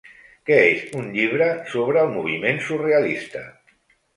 Que és un llibre sobre el moviment surrealista?